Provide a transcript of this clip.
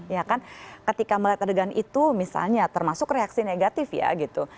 ya kan ketika melihat adegan itu misalnya termasuk reaksi negatif ya gitu